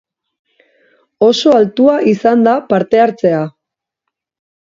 Oso altua izan da parte-hartzea.